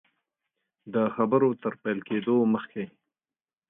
د خبرو تر پیل کېدلو مخکي.